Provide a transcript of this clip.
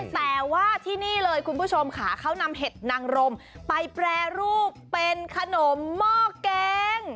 แต่ว่าที่นี่เลยคุณผู้ชมค่ะเขานำเห็ดนางรมไปแปรรูปเป็นขนมหม้อแกง